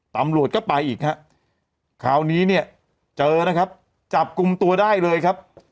ตำรวจก็ไปอีกฮะคราวนี้เนี่ยเจอนะครับจับกลุ่มตัวได้เลยครับ